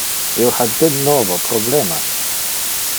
Io ha de novo problemas.